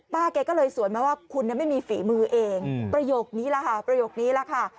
ป้าแกก็เลยสวนมาว่าคุณไม่มีฝีมือเองประโยคนี้แหละค่ะ